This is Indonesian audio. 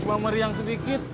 cuma meriang sedikit